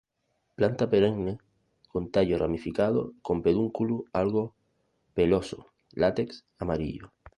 Planta perenne, con tallo ramificado con pedúnculo algo peloso; látex amarillo.